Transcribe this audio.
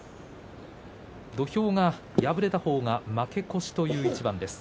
土俵が敗れた方が負け越しという一番です。